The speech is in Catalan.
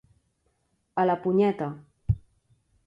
A la punyeta.